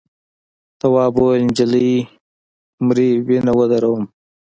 تواب وویل نجلۍ مري وینه ودروم.